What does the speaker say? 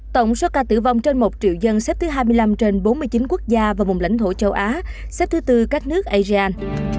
tổng số ca tử vong trên một triệu dân xếp thứ hai mươi năm trên bốn mươi chín quốc gia và vùng lãnh thổ châu á xếp thứ tư các nước asean